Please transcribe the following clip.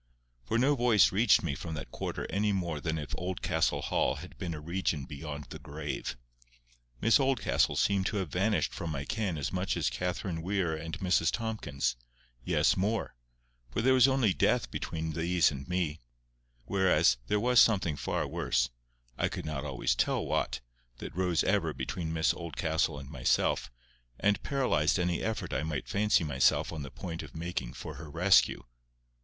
For no voice reached me from that quarter any more than if Oldcastle Hall had been a region beyond the grave. Miss Oldcastle seemed to have vanished from my ken as much as Catherine Weir and Mrs Tomkins—yes, more—for there was only death between these and me; whereas, there was something far worse—I could not always tell what—that rose ever between Miss Oldcastle and myself, and paralysed any effort I might fancy myself on the point of making for her rescue.